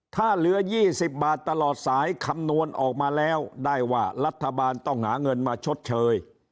ถ้าเหลือ๒๐บาทตลอดสายคำนวณออกมาแล้วได้ว่ารัฐบาลต้องหาเงินมาชดเชย